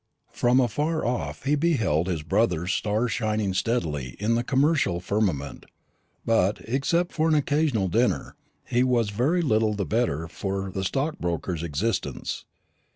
From afar off he beheld his brother's star shining steadily in the commercial firmament; but, except for an occasional dinner, he was very little the better for the stockbroker's existence.